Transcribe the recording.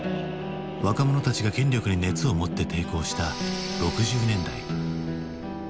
若者たちが権力に熱を持って抵抗した６０年代。